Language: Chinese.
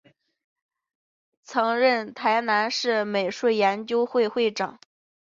曾任台南市美术研究会会长。